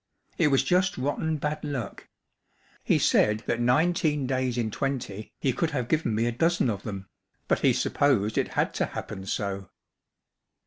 It was just rotten bad luck. He said that nineteen days in twenty he could have given me a dozen of them, but he supposed it had to happen so.